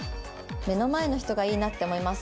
「目の前の人がいいなって思います」。